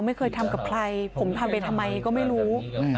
ไม่เคยทำกับใครผมทำไปทำไมก็ไม่รู้